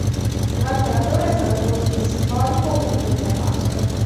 Davanti alla torre è stato posto un simbolico "Ulivo della Pace".